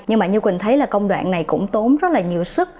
nhưng mà như quỳnh thấy là công đoạn này cũng tốn rất là nhiều sức